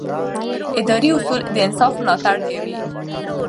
اداري اصول د انصاف ملاتړ کوي.